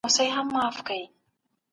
په لویه جرګه کي بهرني مېلمانه څوک دي؟